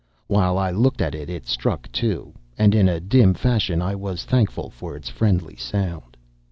While I looked at it it struck two, and in a dim fashion I was thankful for its friendly sound.